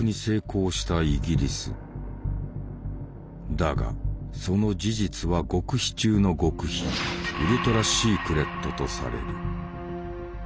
だがその事実は極秘中の極秘ウルトラ・シークレットとされる。